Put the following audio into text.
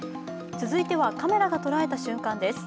続いては、カメラが捉えた瞬間です。